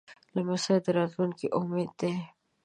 لمسی د راتلونکي امید دی.